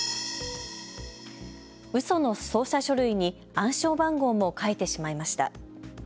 うその捜査書類に暗証番号も書いてしまいました。